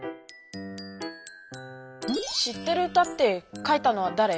「知ってる歌」って書いたのはだれ？